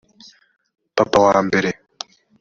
papa wa mbere